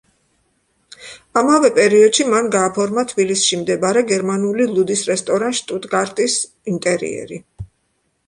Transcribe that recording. ამავე პერიოდში მან გააფორმა თბილისში მდებარე გერმანული ლუდის რესტორან „შტუტგარტის“ ინტერიერი.